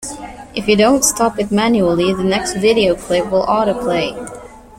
If you don't stop it manually, the next video clip will autoplay.